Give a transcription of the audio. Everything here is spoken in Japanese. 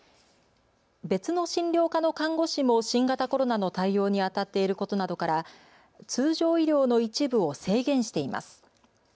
別の診療科の看護師も新型コロナの対応にあたっていることなどから通常医療の一部を制限しています。